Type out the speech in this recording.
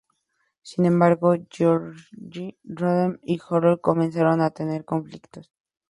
Sin embargo, George Roden y Howell comenzaron a tener conflictos.